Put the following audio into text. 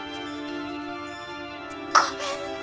ごめんね。